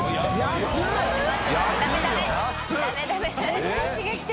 めっちゃ刺激的。